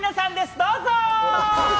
どうぞ！